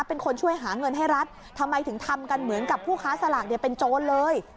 เป็นคนช่วยหาเงินให้รัฐทำไมถึงทำกันเหมือนกับผู้ค้าสลากเนี่ยเป็นโจรเลย